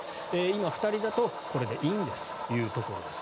今、２人だとこれでいいんですというところです。